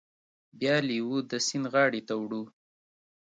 بیا لیوه د سیند غاړې ته وړو.